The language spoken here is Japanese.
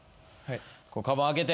かばん開けて。